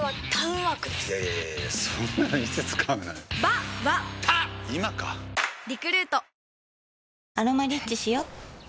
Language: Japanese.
「アロマリッチ」しよ